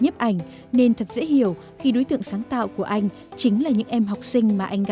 hình như là buổi sáng